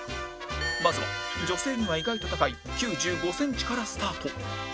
まずは女性には意外と高い９５センチからスタート